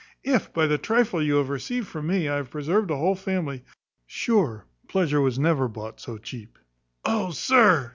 "If, by the trifle you have received from me, I have preserved a whole family, sure pleasure was never bought so cheap." "Oh, sir!"